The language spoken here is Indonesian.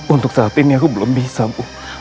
untuk saat ini aku belum bisa